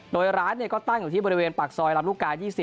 โดยร้านก็ตั้งอยู่ที่บริเวณปากซอยลำลูกกา๒๐